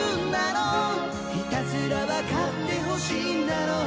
「ひたすらわかって欲しいんだろう」